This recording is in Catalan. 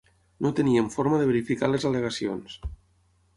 No teníem forma de verificar les al·legacions.